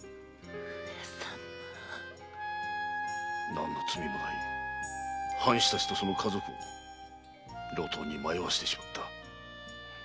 何の罪もない藩士たちと家族を路頭に迷わせてしまった。